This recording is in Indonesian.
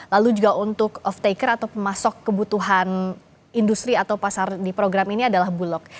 lalu juga untuk off taker atau pemasok kebutuhan industri atau pasar di program ini adalah bulog